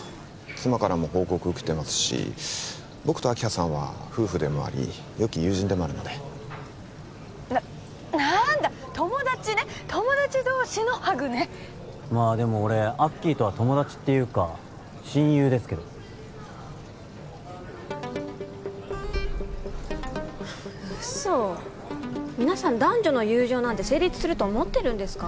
妻からも報告受けてますし僕と明葉さんは夫婦でもありよき友人でもあるのでなっなーんだ友達ね友達同士のハグねまあでも俺アッキーとは友達っていうか親友ですけど嘘皆さん男女の友情なんて成立すると思ってるんですか？